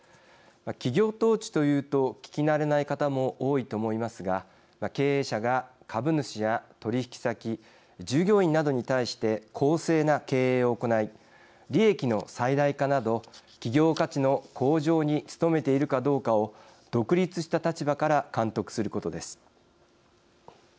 企業統治というと聞きなれない方も多いと思いますが経営者が、株主や取引先従業員などに対して公正な経営を行い利益の最大化など企業価値の向上に努めているかどうかを独立した立場から監督することです。